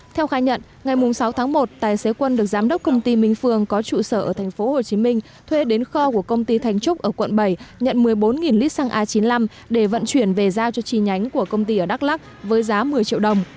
theo khai nhận ngày sáu tháng một tài xế quân được giám đốc công ty minh phương có trụ sở ở tp hcm thuê đến kho của công ty thành trúc ở quận bảy nhận một mươi bốn lít xăng a chín mươi năm để vận chuyển về giao cho chi nhánh của công ty ở đắk lắc với giá một mươi triệu đồng